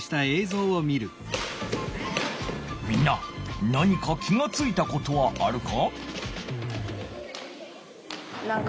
みんな何か気がついたことはあるか？